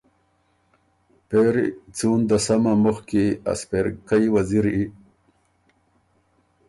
پېری څُون دسمه مُخکی ا سپېرکئ وزیری